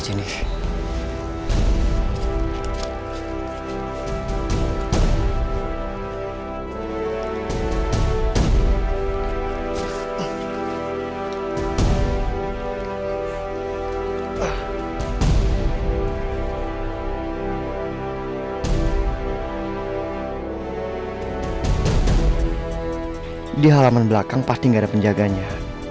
di halaman belakang pasti gak ada penjaganya